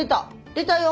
出たよ。